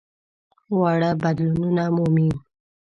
واړه بدلونونه مومي.